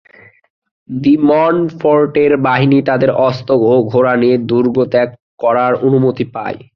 D মন্টফোর্টের বাহিনী তাদের অস্ত্র ও ঘোড়া নিয়ে দুর্গ ত্যাগ করার অনুমতি পায়।